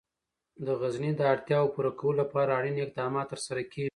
د غزني د اړتیاوو پوره کولو لپاره اړین اقدامات ترسره کېږي.